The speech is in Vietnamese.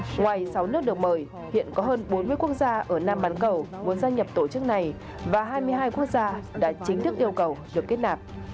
ngoài sáu nước được mời hiện có hơn bốn mươi quốc gia ở nam bán cầu muốn gia nhập tổ chức này và hai mươi hai quốc gia đã chính thức yêu cầu được kết nạp